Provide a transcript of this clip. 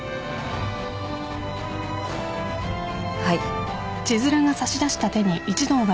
はい。